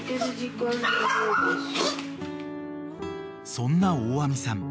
［そんな大網さん